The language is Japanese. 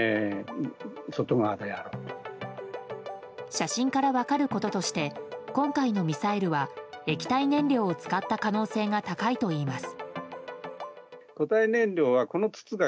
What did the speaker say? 写真から分かることとして今回のミサイルは液体燃料を使った可能性が高いといいます。